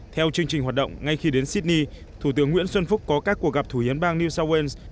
theo chương trình hoạt động ngay khi đến sydney thủ tướng nguyễn xuân phúc có các cuộc gặp thủ hiến bang new south wales